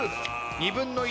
２分の１。